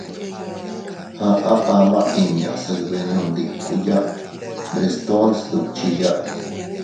Aʼa ama inña se dbenondikuya Frestón sdukchiya.